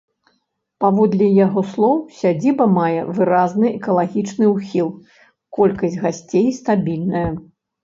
Паводле яго слоў, сядзіба мае выразны экалагічны ўхіл, колькасць гасцей стабільная.